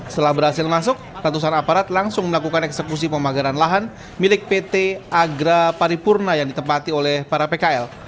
setelah berhasil masuk ratusan aparat langsung melakukan eksekusi pemagaran lahan milik pt agra paripurna yang ditempati oleh para pkl